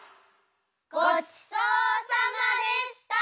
ごちそうさまでした！